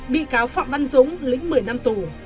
bị cáo phạm văn dũng lĩnh một mươi năm tù